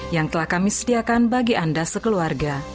yang telah kami sediakan bagi anda sekeluarga